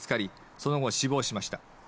その後、死亡しました。